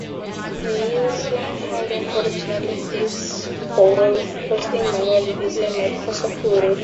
Nielsen Hayden originally disemvoweled postings manually, using Microsoft Word.